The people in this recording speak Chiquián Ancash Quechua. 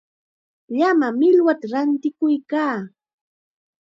Llama millwata rantikuykaa.